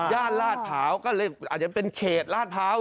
ลาดพร้าวก็เลยอาจจะเป็นเขตลาดพร้าว